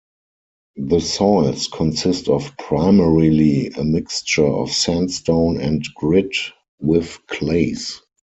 The soils consist of primarily a mixture of sandstone and grit, with clays.